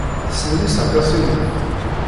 Tessnem Isaac Asimov?